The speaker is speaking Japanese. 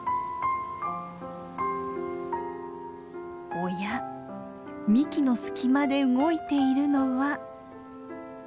おや幹の隙間で動いているのは。